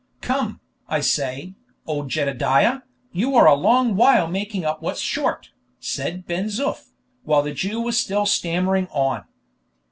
"Come, I say, old Jedediah, you are a long while making up what's short," said Ben Zoof, while the Jew was still stammering on.